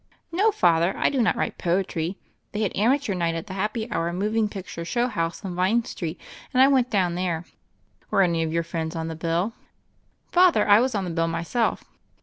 "No, Father, I do not write poetry. They had ^amateur night' at the Happy Hour moving picture showhouse on Vine Street, and I went down there." "Were any of your friends on the bill?*' "Father, I was on the bill myself."